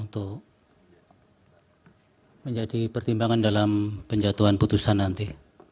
untuk menjadi pertimbangan dalam penjatuhan putusan nanti